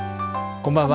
こんばんは。